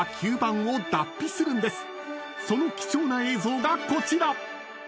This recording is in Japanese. ［その貴重な映像がこちら！］